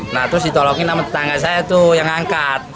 nah terus ditolongin sama tetangga saya tuh yang ngangkat